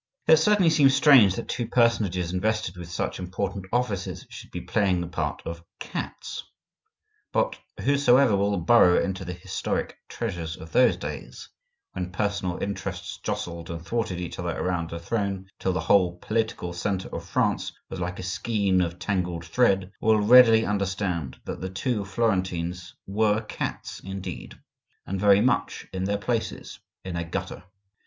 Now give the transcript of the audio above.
It certainly seems strange that two personages invested with such important offices should be playing the part of cats. But whosoever will burrow into the historic treasures of those days, when personal interests jostled and thwarted each other around the throne till the whole political centre of France was like a skein of tangled thread, will readily understand that the two Florentines were cats indeed, and very much in their places in a gutter.